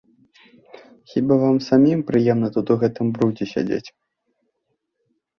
Хіба вам самім прыемна тут у гэтым брудзе сядзець?